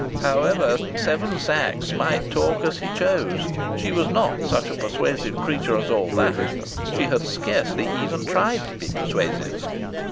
However, Seven Sachs might talk as he chose she was not such a persuasive creature as all that! She had scarcely even tried to be persuasive.